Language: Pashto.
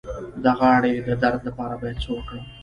د غاړې د درد لپاره باید څه وکړم؟